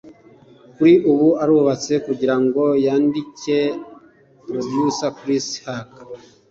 Kuri ubu arubatse kugirango yandike producer Chris Hughes.